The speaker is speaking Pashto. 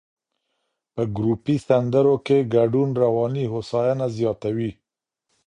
په ګروپي سندرو کې ګډون رواني هوساینه زیاتوي.